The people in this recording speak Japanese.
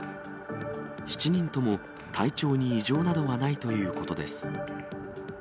７人とも、体調に異常などはないということです。